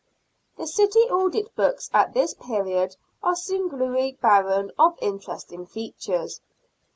The city audit books at this period are singularly barren of interesting features.